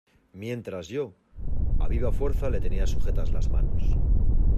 mientras yo, a viva fuerza le tenía sujetas las manos.